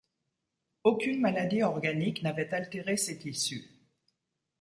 Aucune maladie organique n’avait altéré ses tissus.